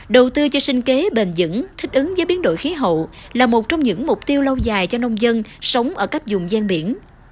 đầu tư cho sinh kế bền dững thích ứng với biến đổi khí hậu là một trong những mục tiêu lâu dài cho nông dân sống ở các dùng gian biển